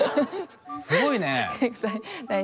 すごいね。